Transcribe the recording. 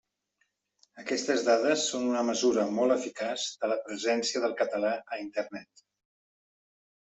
Aquestes dades són una mesura molt eficaç de la presència del català a Internet.